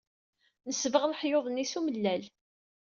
Nesbeɣ leḥyuḍ-nni s umellal.